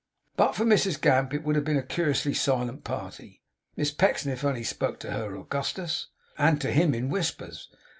But for Mrs Gamp, it would have been a curiously silent party. Miss Pecksniff only spoke to her Augustus, and to him in whispers.